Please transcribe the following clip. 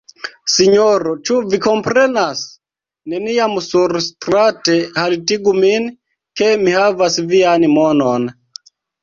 Sinjoro, ĉu vi komprenas? Neniam surstrate haltigu min ke mi havas vian monon.